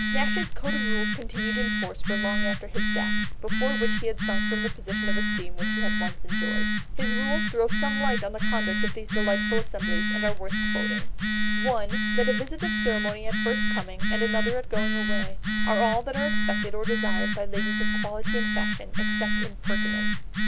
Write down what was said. Nash's code of rules continued in force for long after his death, before which he had sunk from the position of esteem which he had once enjoyed. His rules throw some light on the conduct of these delightful assemblies, and are worth quoting— 1. That a visit of ceremony at first coming, and another at going away, are all that are expected or desired by ladies of quality and fashion—except impertinents.